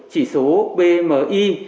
chỉ số pmi